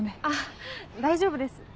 あっ大丈夫です